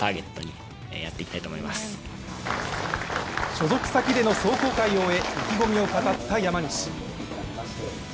所属先での壮行会を終え意気込みを語った山西。